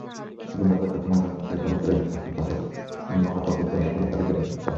জিম্বাবুয়ের তথ্য মন্ত্রণালয়ের পরিচালক রেগিস মোফোকো প্রেসিডেন্টের ফিরে আসার বিষয়টি নিশ্চিত করেন।